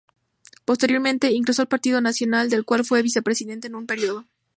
Posteriormente ingresó al Partido Nacional, del cual fue vicepresidente en un período.